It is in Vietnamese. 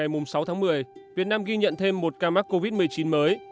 tính đến một mươi tám h ngày sáu tháng một mươi việt nam ghi nhận thêm một ca mắc covid một mươi chín mới